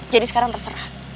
jadi sekarang terserah